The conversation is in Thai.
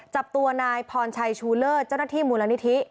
จับตัวนายพรชัยชูเลิศเจ้าหน้าที่มูลนิธิ